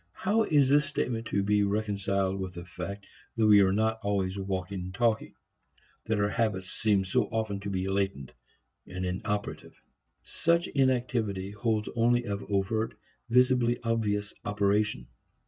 How is this statement to be reconciled with the fact that we are not always walking and talking; that our habits seem so often to be latent, inoperative? Such inactivity holds only of overt, visibly obvious operation.